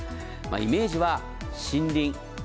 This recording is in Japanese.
イメージは森林。